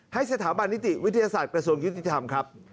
สถาบันนิติวิทยาศาสตร์กระทรวงยุติธรรมครับ